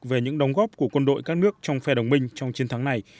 về những đóng góp của quân đội các nước trong phe đồng minh trong chiến thắng này